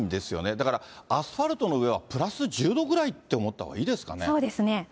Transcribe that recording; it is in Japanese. だから、アスファルトの上はプラス１０度ぐらいって思ったほうがいいですそうですね。